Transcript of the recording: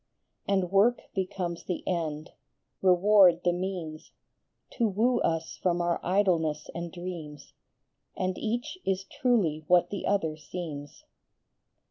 And work becomes the end, reward the means, To woo us from our idleness and dreams ; And each is truly what the other seems. END AND MEANS.